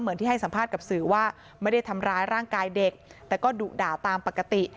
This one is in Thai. เหมือนที่ให้สัมภาษณ์กับสื่อว่าไม่ได้ทำร้ายร่างกายเด็กแต่ก็ดุด่าตามปกติ